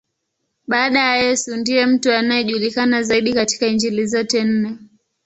Baada ya Yesu, ndiye mtu anayejulikana zaidi katika Injili zote nne.